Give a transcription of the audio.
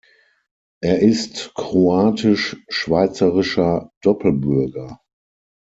Er ist kroatisch-schweizerischer Doppelbürger.